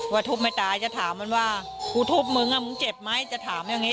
ทุบไม่ตายจะถามมันว่ากูทุบมึงมึงเจ็บไหมจะถามอย่างนี้